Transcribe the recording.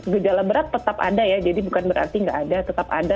gejala berat tetap ada ya jadi bukan berarti nggak ada tetap ada